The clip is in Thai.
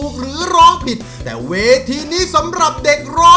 โดยการแข่งขาวของทีมเด็กเสียงดีจำนวนสองทีม